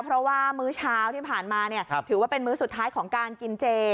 เพราะว่ามื้อเช้าที่ผ่านมาถือว่าเป็นมื้อสุดท้ายของการกินเจ